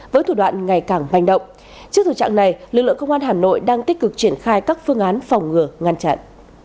với thủ đoạn ngày càng hoành động trước thực trạng này lực lượng công an hà nội đang tích cực triển khai các phương án phòng ngừa ngăn chặn